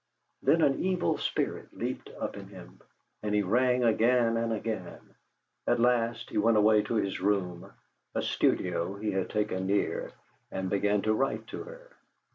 Then an evil spirit leaped up in him, and he rang again and again. At last he went away to his room a studio he had taken near and began to write to her.